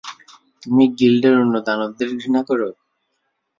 তুমি গিল্ডের অন্য দানবদের ঘৃণা করো?